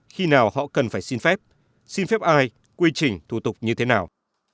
khi nào họ cần phải xin phép xin phép ai quy trình thủ tục như thế nào